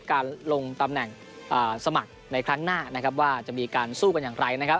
การลงตำแหน่งสมัครในครั้งหน้านะครับว่าจะมีการสู้กันอย่างไรนะครับ